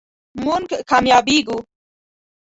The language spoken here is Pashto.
مونږ کامیابیږو